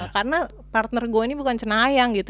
karena partner gue ini bukan cenayang gitu